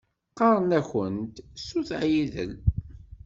Qqaṛen-akunt Sut Ɛidel.